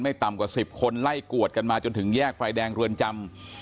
ต่ำกว่า๑๐คนไล่กวดกันมาจนถึงแยกไฟแดงเรือนจำ